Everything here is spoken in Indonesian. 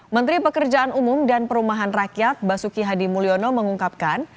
menteri pekerjaan umum dan perumahan rakyat basuki hadi mulyono mengungkapkan